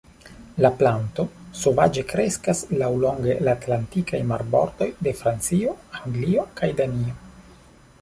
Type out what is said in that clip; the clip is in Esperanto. La planto sovaĝe kreskas laŭlonge la atlantikaj marbordoj de Francio, Anglio kaj Danio.